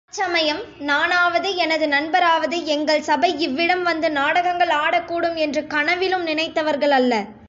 அச்சமயம் நானாவது எனது நண்பராவது, எங்கள் சபை இவ்விடம் வந்து நாடகங்கள் ஆடக் கூடும் என்று கனவிலும் நினைத்தவர்களல்ல.